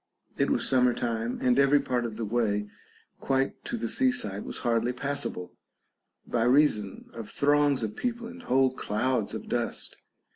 It was summer time, and every part of the way quite to the seaside was hardly passable, by reason of throngs of people and whole clouds of dust.